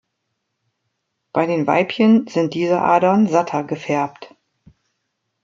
Bei den Weibchen sind diese Adern satter gefärbt.